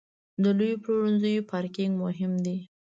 د لویو پلورنځیو پارکینګ مهم دی.